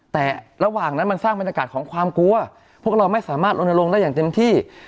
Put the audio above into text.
แต่ระหว่างนั้นมันสร้างบรรยากาศของความกลัวพวกเราไม่สามารถลนลงได้อย่างเต็มที่